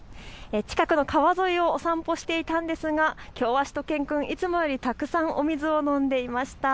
近くの川沿いをお散歩していたんですが、きょうはしゅと犬くん、いつもよりもたくさんお水を飲んでいました。